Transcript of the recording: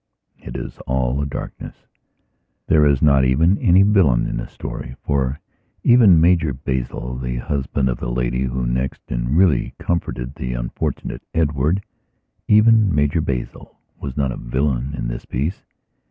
It is all a darkness. There is not even any villain in the storyfor even Major Basil, the husband of the lady who next, and really, comforted the unfortunate Edwardeven Major Basil was not a villain in this piece.